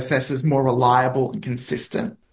lebih berkelanjutan dan konsisten